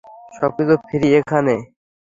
সবকিছু ফ্রি এখানে।